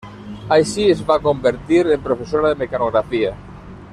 Així es va convertir en professora de mecanografia.